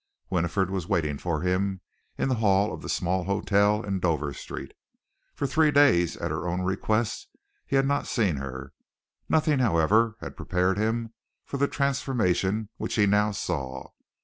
Winifred was waiting for him in the hall of the small hotel in Dover Street. For three days, at her own request, he had not seen her. Nothing, however, had prepared him for the transformation which he now saw.